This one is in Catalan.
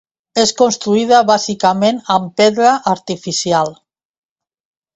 És construïda bàsicament amb pedra artificial.